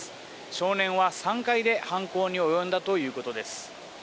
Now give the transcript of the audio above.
少年は３階で犯行に及んだということです。